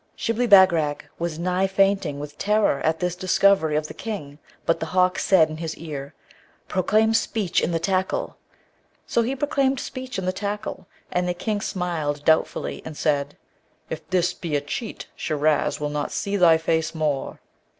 Shibli Bagwrag was nigh fainting with terror at this discovery of the King, but the hawk said in his ear, 'Proclaim speech in the tackle.' So he proclaimed speech in the tackle; and the King smiled doubtfully, and said, 'If this be a cheat, Shiraz will not see thy face more.'